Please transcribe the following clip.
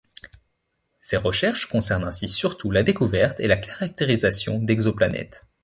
Ses recherches concernent ainsi surtout la découverte et la caractérisation d'exoplanètes.